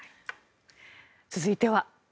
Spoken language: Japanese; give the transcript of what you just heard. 続いては。